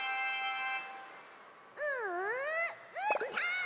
ううーたん！